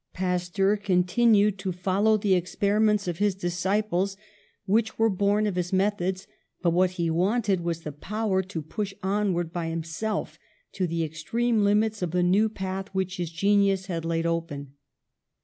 Pasteur con tinued to follow the experiments of his disci ples, which were born of his methods, but what he wanted v^as the power to push onward by himself to the extreme limits of the new path which his genius had laid open.